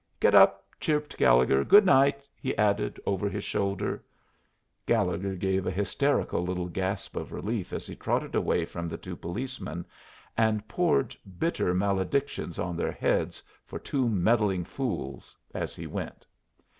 "Get up!" chirped Gallegher. "Good night," he added, over his shoulder. Gallegher gave a hysterical little gasp of relief as he trotted away from the two policemen, and poured bitter maledictions on their heads for two meddling fools as he went.